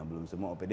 belum semua opd